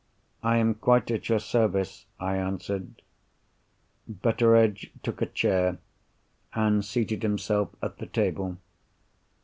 "I am quite at your service," I answered. Betteredge took a chair and seated himself at the table.